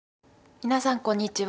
皆さんこんにちは。